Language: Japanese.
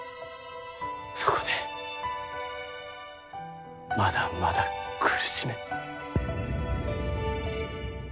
そこでまだまだ苦しめ。